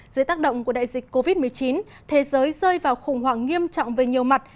dưới tác động của đại dịch covid một mươi chín thế giới rơi vào khủng hoảng nghiêm trọng về nhiều mặt